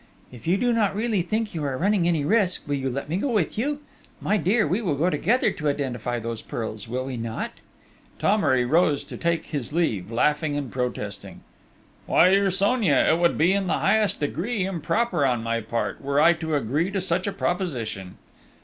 "If you do not really think you are running any risk, will you let me go with you?... My dear, we will go together to identify those pearls, will we not?" Thomery rose to take his leave, laughing and protesting. "Why, dear Sonia, it would be in the highest degree improper on my part, were I to agree to such a proposition!...